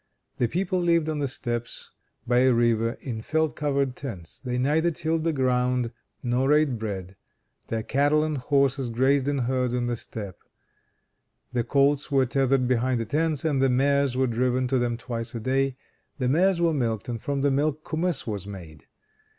The people lived on the steppes, by a river, in felt covered tents. They neither tilled the ground, nor ate bread. Their cattle and horses grazed in herds on the steppe. The colts were tethered behind the tents, and the mares were driven to them twice a day. The mares were milked, and from the milk kumiss was made.